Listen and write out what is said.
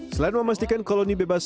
selain memastikan koloni bebas